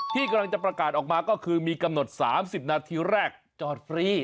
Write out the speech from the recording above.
ที่กำลังจะประกาศออกมาก็คือมีกำหนด๓๐นาทีแรกจอดฟรี